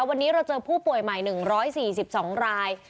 วันนี้เราเจอผู้ป่วยใหม่๑๔๒ราย